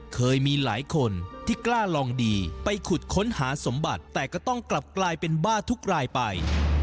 เคยมีหลายคนที่กล้าลองดีไปขุดค้นหาสมบัติแต่ก็ต้องกลับกลายเป็นบ้าทุกรายไป